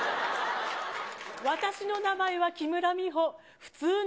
私の名前は木村美穂。